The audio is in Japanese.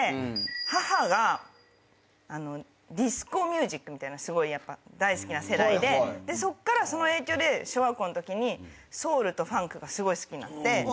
母がディスコミュージックみたいなすごい大好きな世代でそっからその影響で小学校のときにソウルとファンクがすごい好きになって。